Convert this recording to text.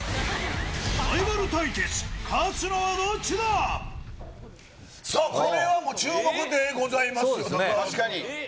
ライバル対決、勝つのはどっさあ、これはもう注目でござ確かに。